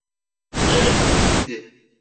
Evet, gitti.